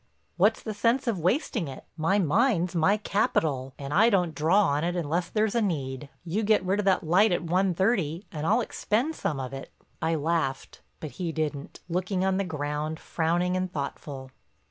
"What's the sense of wasting it? My mind's my capital and I don't draw on it unless there's a need. You get rid of that light at one thirty and I'll expend some of it." I laughed, but he didn't, looking on the ground frowning and thoughtful.